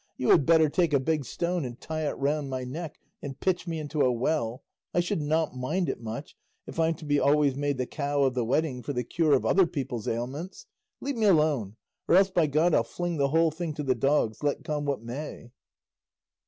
You had better take a big stone and tie it round my neck, and pitch me into a well; I should not mind it much, if I'm to be always made the cow of the wedding for the cure of other people's ailments. Leave me alone; or else by God I'll fling the whole thing to the dogs, let come what may."